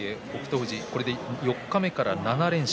富士四日目から７連勝。